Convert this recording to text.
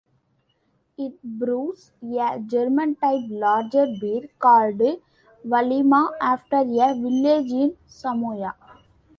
It brews a German type lager beer, called Vailima after a village in Samoa.